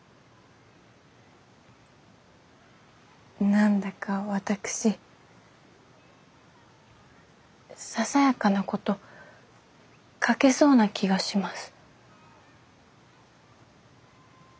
何だか私ささやかなこと描けそうな気がします。